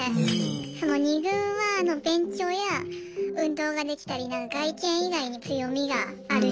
その２軍は勉強や運動ができたり外見以外に強みがある人たち。